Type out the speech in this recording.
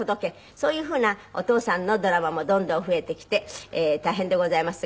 そういうふうなお父さんのドラマもどんどん増えてきて大変でございますが。